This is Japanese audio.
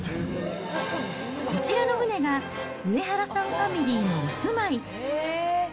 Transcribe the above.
こちらの船が、上原さんファミリーのお住まい。